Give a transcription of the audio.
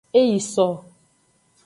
E yi so.